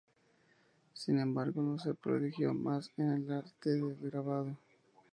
Sin embargo, no se prodigó más en el arte del grabado.